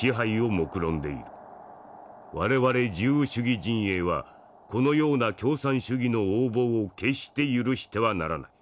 我々自由主義陣営はこのような共産主義の横暴を決して許してはならない。